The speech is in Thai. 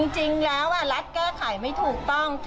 จริงแล้วรัฐแก้ไขไม่ถูกต้อง